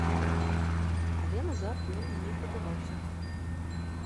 Але назад ён не падаваўся.